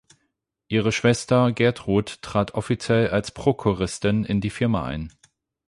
Ihre Schwester Gertrud trat offiziell als Prokuristin in die Firma ein.